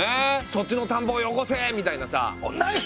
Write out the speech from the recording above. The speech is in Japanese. そっちの田んぼをよこせ！みたいなさ。